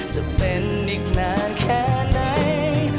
จะเป็นอีกนานแค่ไหน